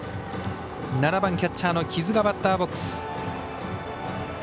７番キャッチャーの木津がバッターボックス。